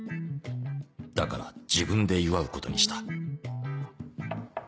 だから自分で祝うことにした